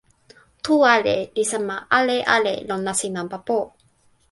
tu ale li sama ale ale lon nasin nanpa pu.